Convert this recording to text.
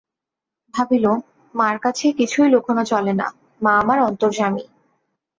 ভাবিল, মার কাছে কিছুই লুকানো চলে না, মা আমার অন্তর্যামী।